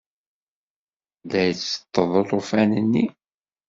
La itteṭṭeḍ ulufan-nni.